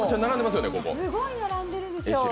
すごい並んでるんですよ。